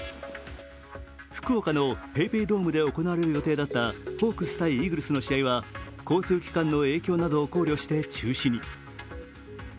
福岡のＰａｙＰａｙドームで行われる予定だったホークス×イーグルスの試合は交通機関の影響などを考慮して中止に。